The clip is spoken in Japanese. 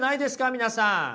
皆さん。